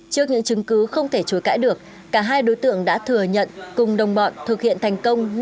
trước những chứng cứ không thể chối cãi được cả hai đối tượng đã thừa nhận cùng đồng bọn thực hiện thành công